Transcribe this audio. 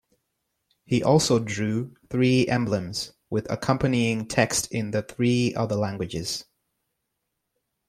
He also drew three emblems, with accompanying text in the three other languages.